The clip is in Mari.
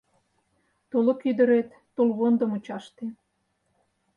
Тулык ӱдырет - тулвондо мучаште.